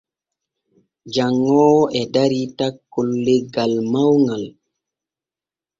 Janŋoowo e darii takkol leggal mawŋal.